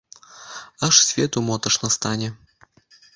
Аж свету моташна стане!